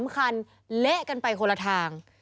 ๓คันเละกันไปคนละทาง